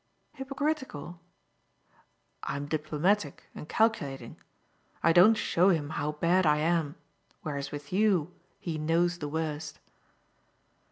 "Hypocritical?" "I'm diplomatic and calculating I don't show him how bad I am; whereas with you he knows the worst."